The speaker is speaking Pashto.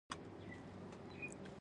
پښتانه په بیلابیلو هیوادونو کې ژوند کوي.